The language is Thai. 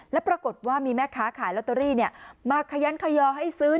แล้วปรากฏว่ามีแม่ค้าขายลอตเตอรี่มาขยันขยอให้ซื้อ